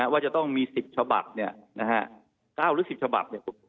ว่าจะต้องมี๑๐ฉบับเนี่ยนะฮะ๙หรือ๑๐ฉบับเนี่ย